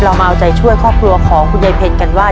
มาเอาใจช่วยครอบครัวของคุณยายเพลกันว่า